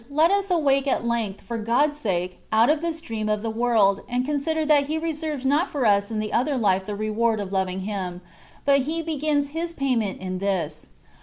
let us awake at length, for God's sake, out of this dream of the world, and consider that he reserves not for us in the other life the reward of loving Him, but He begins His payment in this.